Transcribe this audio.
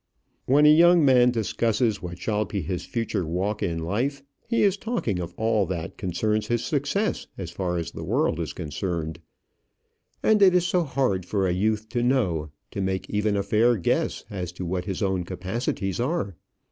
When a young man discusses what shall be his future walk in life, he is talking of all that concerns his success as far as this world is concerned. And it is so hard for a youth to know, to make even a fair guess, as to what his own capacities are!